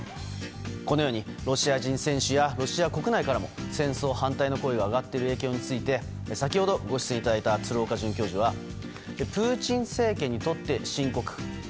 このようにロシア人選手やロシア国内からも戦争反対の声が上がっている影響について先ほどご出演いただいた鶴岡准教授はプーチン政権にとって深刻。